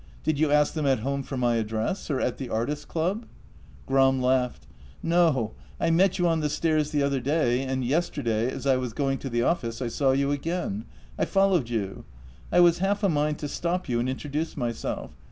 Did you ask them at home for my address, or at the artists' club ?" Gram laughed. "No; I met you on the stairs the other day, and yesterday, as I was going to the office, I saw you again. I followed you. I was half a mind to stop you and introduce myself.